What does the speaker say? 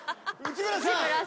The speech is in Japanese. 内村さん。